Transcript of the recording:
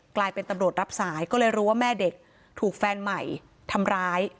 กลายเป็นตำรวจรับสายก็เลยรู้ว่าแม่เด็กถูกแฟนใหม่ทำร้าย